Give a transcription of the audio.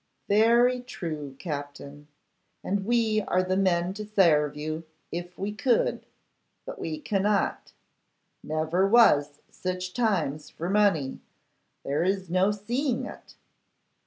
'Very true, Captin; and we are the men to sarve you, if we could. But we cannot. Never was such times for money; there is no seeing it.